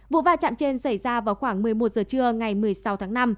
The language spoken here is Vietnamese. vụ va chạm trên xảy ra vào khoảng một mươi một giờ trưa ngày một mươi sáu tháng năm